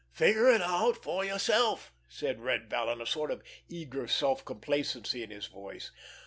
"Figure it out for yourself," said Red Vallon, a sort of eager self complacency in his voice.